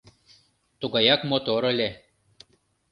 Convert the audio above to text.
Тугаяк мотор ыле.